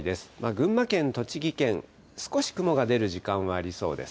群馬県、栃木県、少し雲が出る時間はありそうです。